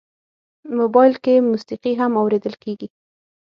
موبایل کې موسیقي هم اورېدل کېږي.